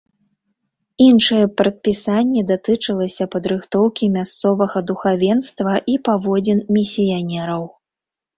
Іншае прадпісанне датычылася падрыхтоўкі мясцовага духавенства і паводзін місіянераў.